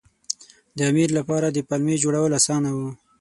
د امیر لپاره د پلمې جوړول اسانه وو.